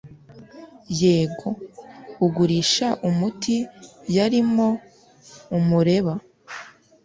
yego? ugurisha imiti yarimo amureba